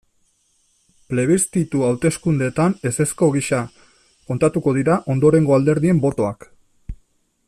Plebiszitu hauteskundeetan ezezko gisa kontatuko dira ondorengo alderdien botoak.